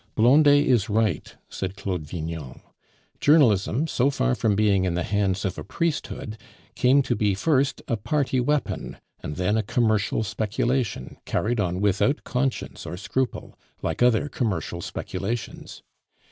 "Blondet is right," said Claude Vignon. "Journalism, so far from being in the hands of a priesthood, came to be first a party weapon, and then a commercial speculation, carried on without conscience or scruple, like other commercial speculations.